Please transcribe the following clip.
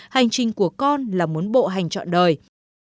hành trình của con là muốn bộ hành trọn đời